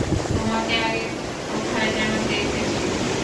তোমাকে আগে কোথায় যেন দেখেছি?